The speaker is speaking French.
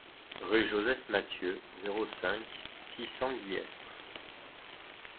Rue Joseph Mathieu, zéro cinq, six cents Guillestre